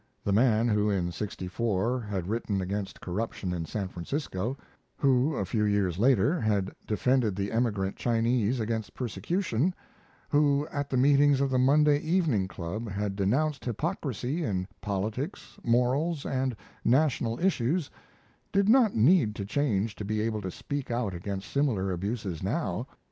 The man who in '64 had written against corruption in San Francisco, who a few years later had defended the emigrant Chinese against persecution, who at the meetings of the Monday Evening Club had denounced hypocrisy in politics, morals, and national issues, did not need to change to be able to speak out against similar abuses now.